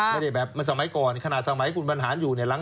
ไม่ได้แบบมันสมัยก่อนขนาดสมัยคุณบรรหารอยู่เนี่ย